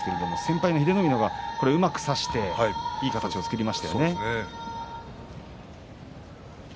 先輩の英乃海はうまく差していい形を作りましたよね。